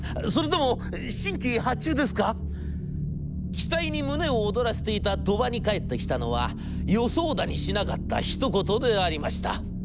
期待に胸を躍らせていた鳥羽に返ってきたのは予想だにしなかったひと言でありました。